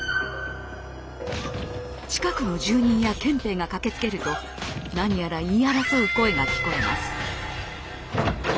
近くの住人や憲兵が駆けつけると何やら言い争う声が聞こえます。